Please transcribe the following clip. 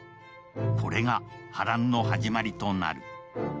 これが波乱の始まりとなる。